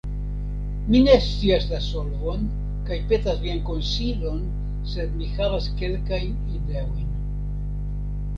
Mi ne scias la solvon, kaj petas vian konsilon, sed mi havas kelkajn ideojn.